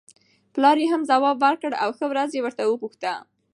پلار یې هم ځواب ورکړ او ښه ورځ یې ورته وغوښته.